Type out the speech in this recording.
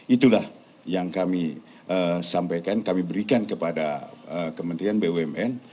itulah yang kami sampaikan kami berikan kepada kementerian bumn